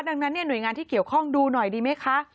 ดังนั้นหน่วยงานที่เกี่ยวข้องดูหน่อยดีไหมคะ